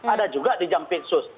ada juga di jam petsos